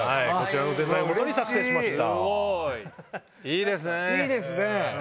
いいですね。